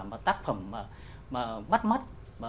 mà tác phẩm mà bắt mắt